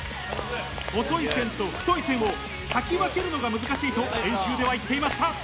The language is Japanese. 細い線と太い線を書き分けるのが難しいと練習では言っていました。